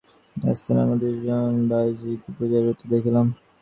এইস্থানে আমরা দুইজন বাঈজীকে পূজায় রত দেখিলাম।